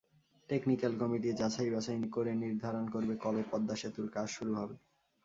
Technical committee যাচাই-বাছাই করে নির্ধারণ করবে, কবে পদ্মা সেতুর কাজ শুরু হবে।